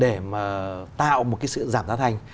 để mà tạo một cái sự giảm giá thành